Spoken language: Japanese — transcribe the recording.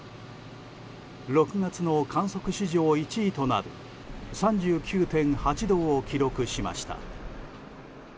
６月の観測史上１位となる３９．８度を記録しました。